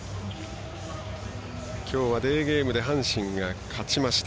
きょうはデーゲームで阪神が勝ちました。